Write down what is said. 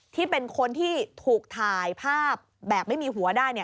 ที่เป็นคนที่ถูกถ่ายภาพแบบไม่มีหัวได้เนี่ย